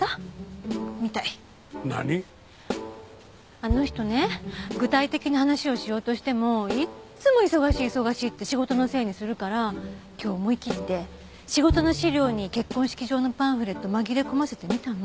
あの人ね具体的な話をしようとしてもいつも忙しい忙しいって仕事のせいにするから今日思い切って仕事の資料に結婚式場のパンフレット紛れ込ませてみたの。